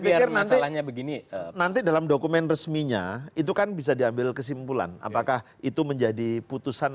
biar nanti dalam dokumen resminya itu kan bisa diambil kesimpulan apakah itu menjadi putusan